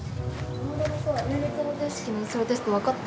この間のさ連立方程式の小テストわかった？